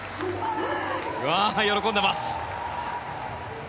喜んでます。